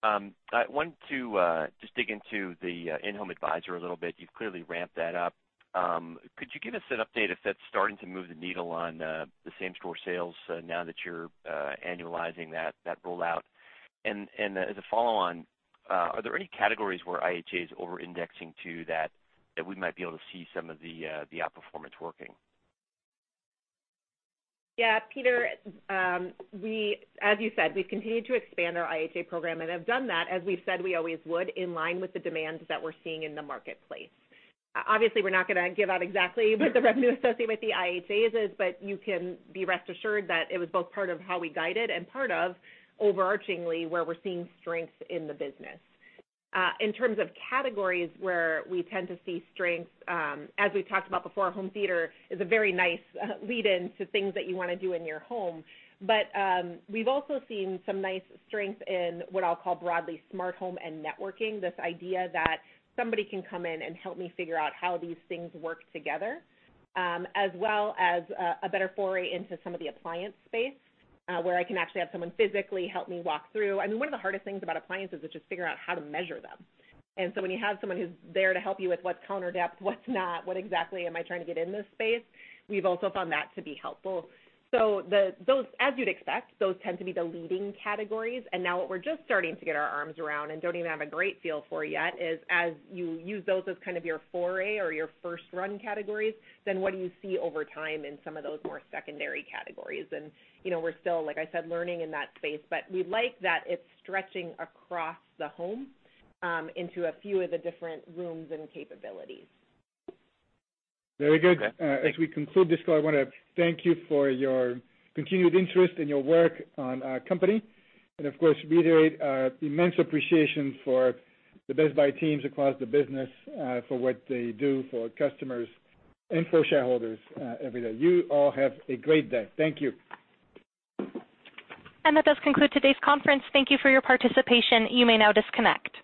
I want to just dig into the In-Home Advisor a little bit. You've clearly ramped that up. Could you give us an update if that's starting to move the needle on the same store sales now that you're annualizing that rollout? As a follow-on, are there any categories where IHA is over-indexing to that we might be able to see some of the outperformance working? Peter, as you said, we've continued to expand our IHA program and have done that, as we said we always would, in line with the demands that we're seeing in the marketplace. Obviously, we're not going to give out exactly what the revenue associated with the IHAs is, but you can be rest assured that it was both part of how we guided and part of overarchingly where we're seeing strengths in the business. In terms of categories where we tend to see strengths, as we've talked about before, home theater is a very nice lead-in to things that you want to do in your home. We've also seen some nice strength in what I'll call broadly smart home and networking. This idea that somebody can come in and help me figure out how these things work together, as well as a better foray into some of the appliance space, where I can actually have someone physically help me walk through. I mean, one of the hardest things about appliances is just figuring out how to measure them. When you have someone who's there to help you with what's counter depth, what's not, what exactly am I trying to get in this space, we've also found that to be helpful. As you'd expect, those tend to be the leading categories. Now what we're just starting to get our arms around and don't even have a great feel for yet is as you use those as kind of your foray or your first run categories, what do you see over time in some of those more secondary categories? We're still, like I said, learning in that space, but we like that it's stretching across the home into a few of the different rooms and capabilities. Very good. Okay. Thank you. As we conclude this call, I want to thank you for your continued interest and your work on our company. Of course, reiterate our immense appreciation for the Best Buy teams across the business for what they do for customers and for shareholders every day. You all have a great day. Thank you. That does conclude today's conference. Thank you for your participation. You may now disconnect.